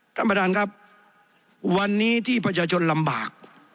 ท่านประธานครับวันนี้ที่ประชาชนลำบาก